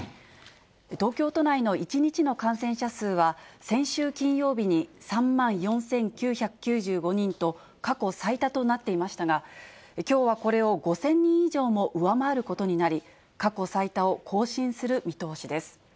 東京都内の１日の感染者数は、先週金曜日に３万４９９５人と、過去最多となっていましたが、きょうはこれを５０００人以上も上回ることになり、過去最多を更新する見通しです。